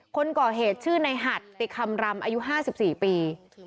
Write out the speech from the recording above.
คนก่อเหตุชื่อในหัดติคำรำอายุ๕๔ปี